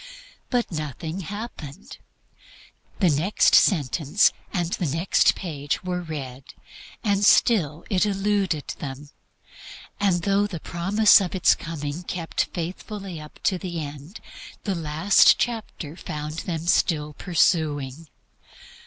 But nothing happened. The next sentence and the next page were read, and still it eluded them; and though the promise of its coming kept faithfully up to the end, the last chapter found them still pursuing.